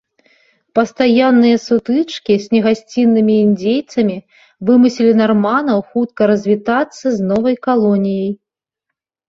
Пастаянныя сутычкі з негасціннымі індзейцамі вымусілі нарманаў хутка развітацца з новай калоніяй.